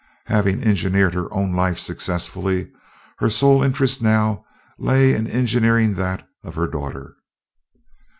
Having engineered her own life successfully, her sole interest now lay in engineering that of her daughter.